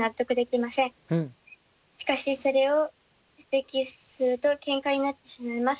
しかしそれを指摘するとケンカになってしまいます。